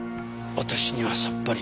私にはさっぱり。